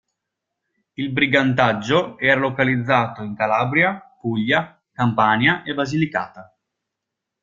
Il brigantaggio era localizzato in Calabria, Puglia, Campania e Basilicata.